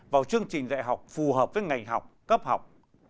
vào chương trình dạy học phù hợp với ngành học cấp học